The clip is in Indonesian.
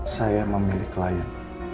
saya memilih klien